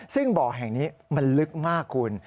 ซึ่งบ่อแห่งนี้มันลึกมากคุณ